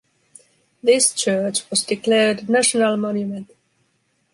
This church was declared National Monument.